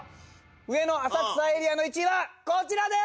上野・浅草エリアの１位はこちらです！